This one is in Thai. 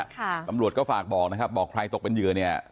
ตำรวจก็ฝากบอกนะครับบอกใครตกเป็นเหยื่อเนี่ย